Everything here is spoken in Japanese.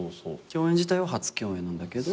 共演自体は初共演なんだけど。